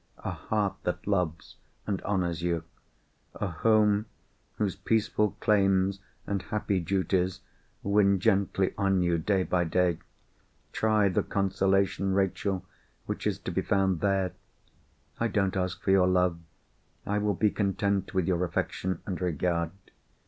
A heart that loves and honours you; a home whose peaceful claims and happy duties win gently on you day by day—try the consolation, Rachel, which is to be found there! I don't ask for your love—I will be content with your affection and regard.